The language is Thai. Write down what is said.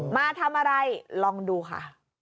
มาทำอะไรลองดูค่ะ